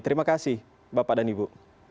terima kasih bapak dan ibu